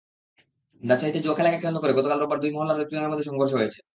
রাজশাহীতে জুয়া খেলাকে কেন্দ্র করে গতকাল রোববার দুই মহল্লার লোকজনের মধ্যে সংঘর্ষ হয়েছে।